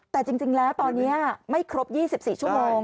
แต่จริงแล้วตอนนี้ไม่ครบ๒๔ชั่วโมง